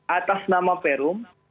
atas nama perum